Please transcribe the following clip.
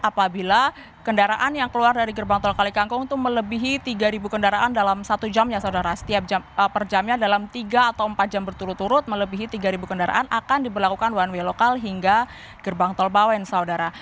apabila kendaraan yang keluar dari gerbang tol kalikangkung itu melebihi tiga kendaraan dalam satu jamnya saudara setiap per jamnya dalam tiga atau empat jam berturut turut melebihi tiga kendaraan akan diberlakukan one way lokal hingga gerbang tol bawen saudara